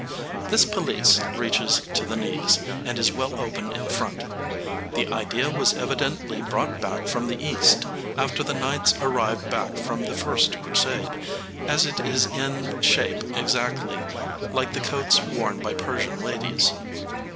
This pelisse reaches to the knees, and is well open in front. The idea was evidently brought back from the East after the knights arrived back from the First Crusade, as it is in shape exactly like the coats worn by Persian ladies.